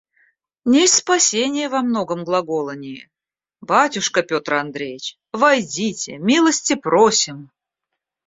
Несть спасения во многом глаголании. Батюшка Петр Андреич! войдите, милости просим.